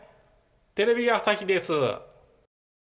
テレビ朝日です。